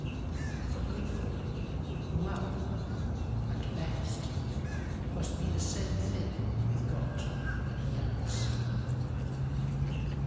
[Footnote 4: Well and Best must be the same thing with God when he acts.